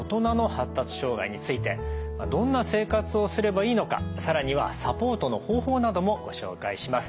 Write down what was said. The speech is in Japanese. どんな生活をすればいいのか更にはサポートの方法などもご紹介します。